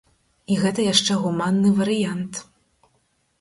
І гэта яшчэ гуманны варыянт.